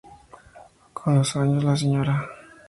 Con los años la Sra.